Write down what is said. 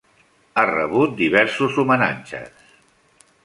Ha rebut diversos homenatges.